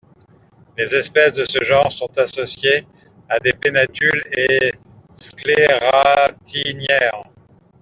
Les espèces de ce genre sont associées à des pennatules et scléractiniaires.